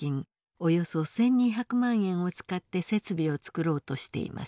およそ１，２００万円を使って設備を作ろうとしています。